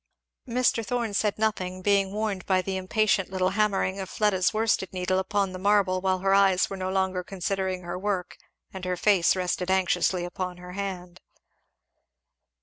Mr. Thorn said nothing, being warned by the impatient little hammering of Fleda's worsted needle upon the marble, while her eye was no longer considering her work, and her face rested anxiously upon her hand.